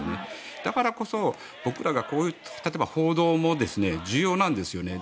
だからこそ僕らが例えば報道も重要なんですよね。